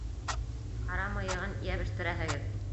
Ҡара мыйығын йәбештерәһегеҙ!